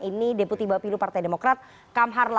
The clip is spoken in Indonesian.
ini deputi bapilu partai demokrat kamhar